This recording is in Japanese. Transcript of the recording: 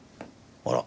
あら！